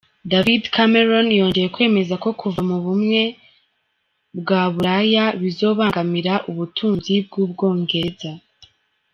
David Cameron yongeye kwemeza ko kuva mu Bumwe bwa Bulaya bizobangamira ubutunzi bw'Ubwongereza.